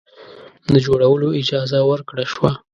د جوړولو اجازه ورکړه شوه.